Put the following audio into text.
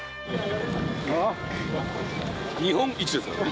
日本一ですからね。